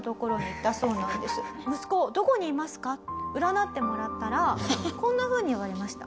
占ってもらったらこんなふうに言われました。